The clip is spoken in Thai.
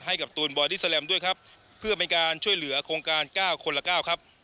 ตูนบอดี้แลมด้วยครับเพื่อเป็นการช่วยเหลือโครงการ๙คนละเก้าครับ